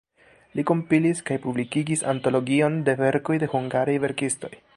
Li kompilis kaj publikigis antologion de verkoj de hungaraj verkistoj.